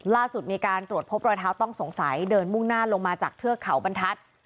ล่าสุดมีการตรวจพบรอยเท้าต้องสงสัยเดินมุ่งหน้าลงมาจากเทือกเขาบรรทัศน์